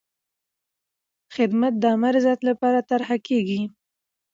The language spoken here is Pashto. خدمت د عامه رضایت لپاره طرحه کېږي.